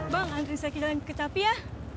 bang angin saya kira yang kecapi ya